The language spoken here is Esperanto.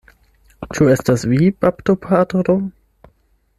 Ĉu estas vi, baptopatro?